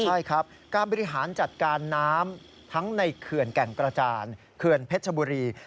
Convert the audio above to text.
ใช่ครับการบริหารจัดการน้ำทั้งในเขื่อนแก่งกระจานเขื่อนเพชรชบุรี